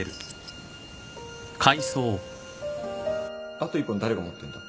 あと１本誰が持ってんだ？